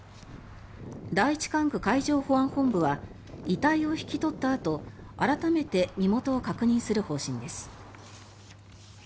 第一管区海上保安本部は遺体を引き取ったあと改めて身元を確認する方針です。